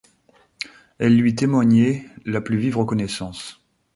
Elle lui témoignait la plus vive reconnaissance.